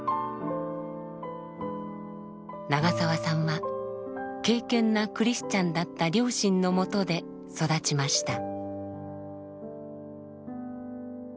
長澤さんは敬けんなクリスチャンだった両親のもとで育ちました。